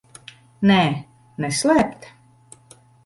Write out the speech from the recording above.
Nē? Neslēpt?